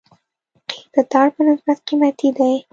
قیر د ټار په نسبت قیمتي دی